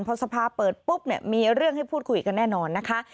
พอสภาเปิดปุ๊บเนี่ยมีเรื่องให้พูดคุยกันแน่นอนนะคะ